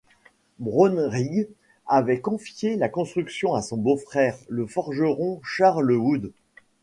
Brownrigg avait confié la construction à son beau-frère le forgeron Charles Wood.